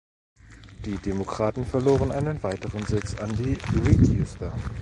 Die Demokraten verloren einen weiteren Sitz an die Readjuster.